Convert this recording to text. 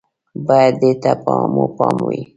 بايد دې ته مو پام وي